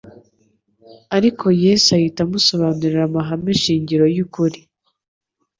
ariko Yesu ahita amusobanurira amahame shingiro y'ukuri.